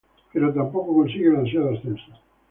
Pero tampoco consigue el ansiado ascenso.